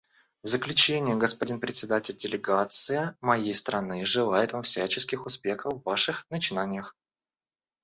В заключение, господин Председатель, делегация моей страны желает Вам всяческих успехов в Ваших начинаниях.